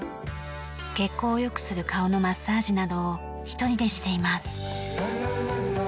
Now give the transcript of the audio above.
血行を良くする顔のマッサージなどを１人でしています。